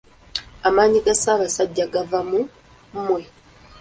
Amaanyi ga Ssaabasajja gava mu mwe.